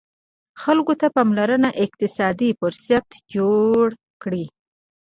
خلکو ته پاموړ اقتصادي فرصتونه جوړ کړي.